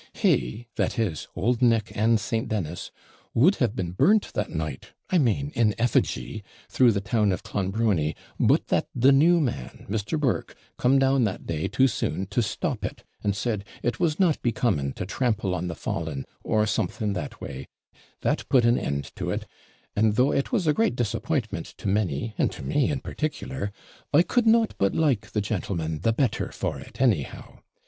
He (that is, old Nick and St. Dennis) would have been burnt that night I MANE, in EFFIGY, through the town of Clonbrony, but that the new man, Mr. Burke, come down that day too soon to stop it, and said, 'it was not becoming to trample on the fallen,' or something that way, that put an end to it; and though it was a great disappointment to many, and to me in particular, I could not but like the jantleman the better for it anyhow.